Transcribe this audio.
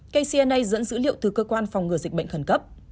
kcna dẫn dữ liệu từ cơ quan phòng ngừa dịch bệnh khẩn cấp